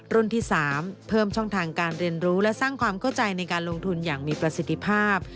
ที่๓เพิ่มช่องทางการเรียนรู้และสร้างความเข้าใจในการลงทุนอย่างมีประสิทธิภาพ